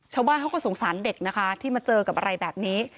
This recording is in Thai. ชาวบ้านเขาก็สงสารเด็กนะคะที่มาเจอกับอะไรแบบนี้